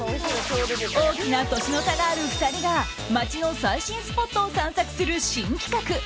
大きな年の差がある２人が街の最新スポットを散策する新企画。